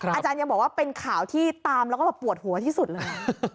อาจารย์ยังบอกว่าเป็นข่าวที่ตามแล้วก็แบบปวดหัวที่สุดเลยค่ะ